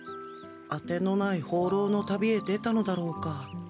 当てのないほうろうの旅へ出たのだろうか？